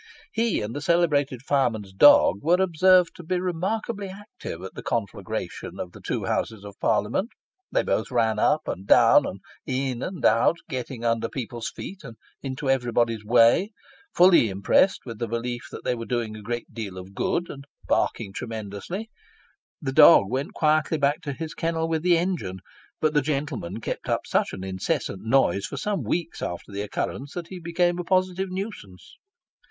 He, and the celebrated fireman's dog, were observed to be remarkably active at the conflagration of the two Houses of Parliament they both ran up and down, and in and out, getting under people's feet, and into everybody's way, fully impressed with the belief that they were doing a great deal of good, and barking tremendously. The dog went quietly back to his kennel with the engine, but the gentleman kept up such an incessant noise for some weeks after the occurrence, that he became a positive nuisance.